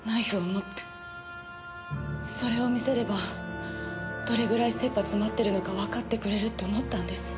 それを見せればどれぐらい切羽詰ってるのかわかってくれるって思ったんです。